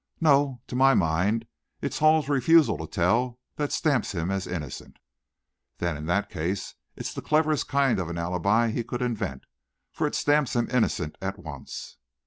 No, to my mind it's Hall's refusal to tell that stamps him as innocent." "Then, in that case, it's the cleverest kind of an alibi he could invent, for it stamps him innocent at once."